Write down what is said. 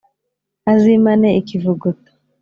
azimane ikivuguto